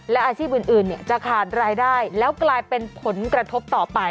และอาชีพอื่นจะขาดรายได้แล้วกลายเป็นผลกระทบต่อไป